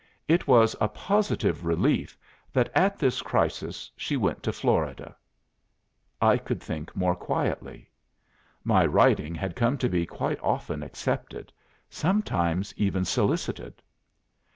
It was a positive relief that at this crisis she went to Florida. I could think more quietly. My writing had come to be quite often accepted, sometimes even solicited.